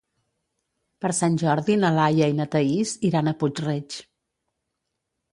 Per Sant Jordi na Laia i na Thaís iran a Puig-reig.